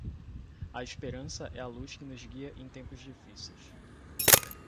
A esperança é a luz que nos guia em tempos difíceis.